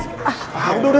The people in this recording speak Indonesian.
udah udah udah